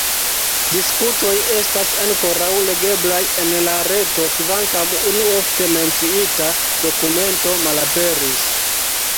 Diskutoj estas ankoraŭ legeblaj en la reto kvankam unu ofte menciita dokumento malaperis.